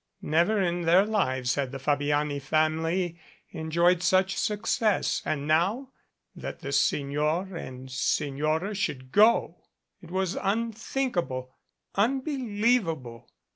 Never in their lives had the Fabiani family enjoyed such success. And now that the Signor and Signora should go! It was unthinkable unbelievable!